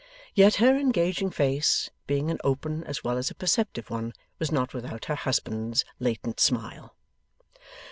Yet her engaging face, being an open as well as a perceptive one, was not without her husband's latent smile.